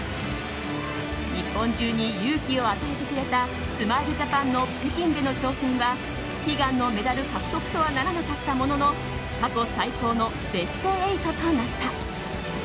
日本中に勇気を与えてくれたスマイルジャパンの北京での挑戦は悲願のメダル獲得とはならなかったものの過去最高のベスト８となった。